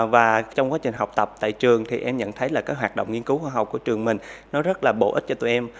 và trong quá trình học tập tại trường thì em nhận thấy là các hoạt động nghiên cứu khoa học của trường mình nó rất là bổ ích cho tụi em